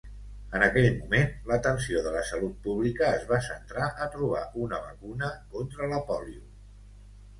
En aquell moment, l'atenció de la salut pública es va centrar a trobar una vacuna contra la pòlio.